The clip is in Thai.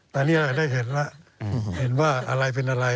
ตอนนี้ได้เห็นแล้วเห็นว่าอะไรเป็นอะไร